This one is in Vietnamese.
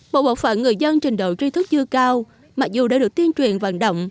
một bộ phận người dân trình độ truy thức dư cao mặc dù đã được tiên truyền vàng động